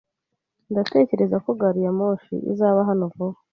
Ndatekereza ko gari ya moshi izaba hano vuba.